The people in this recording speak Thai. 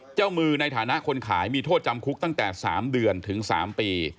เจ้ามือในฐานะคนขายมีโทษจำคุกตั้งแต่๓เดือนถึง๓ปี